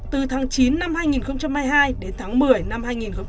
từ tháng chín năm hai nghìn hai mươi hai đến tháng một mươi năm hai nghìn hai mươi ba